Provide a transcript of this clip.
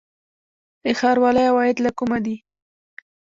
د ښاروالۍ عواید له کومه دي؟